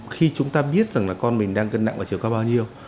khi chúng ta biết rằng là con mình đang cân nặng và chiều cao bao nhiêu